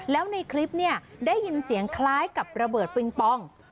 แล้วในคลิปเนี่ยได้ยินเสียงคล้ายกับระเบิดปิงปอง